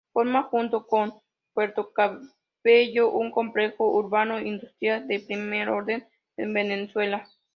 Forma junto con Puerto Cabello un complejo urbano-industrial de primer orden en Venezuela.